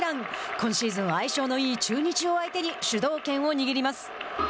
今シーズン相性のいい中日を相手に主導権を握ります。